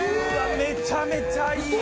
めちゃくちゃいいわ。